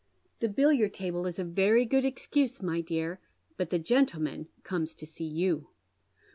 "" The billiard table is a very good excuse, my dear, but the jfciitleman comes to see you."